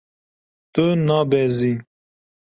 Tu nabezî.